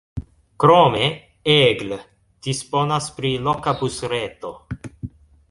Krome Aigle disponas pri loka busreto.